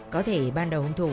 có thể ban đầu hùng thủ